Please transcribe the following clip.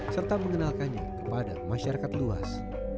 serta mengenalkannya kepada masyarakat luas